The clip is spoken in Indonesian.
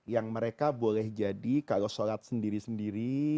yang mereka boleh jadi kalau sholat sendiri sendiri